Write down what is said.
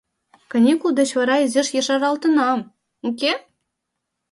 Каникул деч вара изиш ешаралтынам, уке?